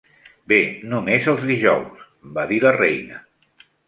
"Bé, només els dijous", va dir la Reina.